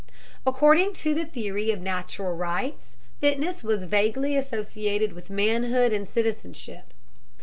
According to the theory of natural rights, fitness was vaguely associated with manhood and citizenship.